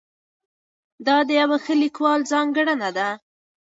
دا د یوه ښه لیکوال ځانګړنه ده.